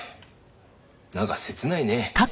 なんか切ないね。